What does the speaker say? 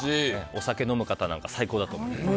お酒飲む方なんかは最高だと思います。